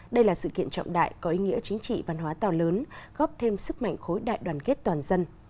đây là sự kiện trọng đại có ý nghĩa chính trị văn hóa to lớn góp thêm sức mạnh khối đại đoàn kết toàn dân